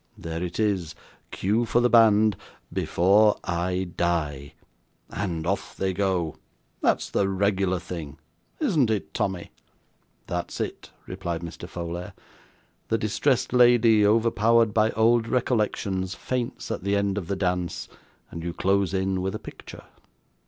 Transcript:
There it is cue for the band, BEFORE I DIE, and off they go. That's the regular thing; isn't it, Tommy?' 'That's it,' replied Mr. Folair. 'The distressed lady, overpowered by old recollections, faints at the end of the dance, and you close in with a picture.